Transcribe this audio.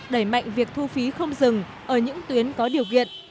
đẩy mạnh việc thu phí không dừng ở những tuyến có điều kiện